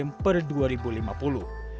untuk mencegah krisis iklim per dua ribu lima puluh